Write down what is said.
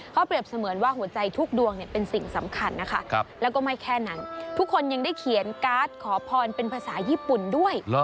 เขาเปรียบเสมือนว่าหัวใจทุกดวงเป็นสิ่งสำคัญนะคะแล้วก็ไม่แค่นั้นทุกคนยังได้เขียนการ์ดขอพรเป็นภาษาญี่ปุ่นด้วย